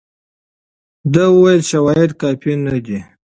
ده وویل شواهد کافي نه دي.